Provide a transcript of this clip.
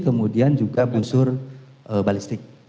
kemudian juga busur balistik